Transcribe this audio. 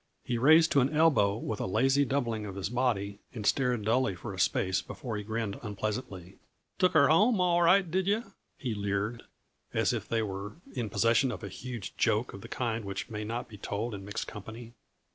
He raised to an elbow with a lazy doubling of his body and stared dully for a space before he grinned unpleasantly. "Took 'er home all right, did yuh?" he leered, as if they two were in possession of a huge joke of the kind which may not be told in mixed company.